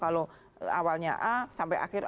kalau awalnya a sampai akhir